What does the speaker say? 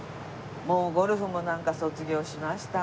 もうゴルフもなんか卒業しました。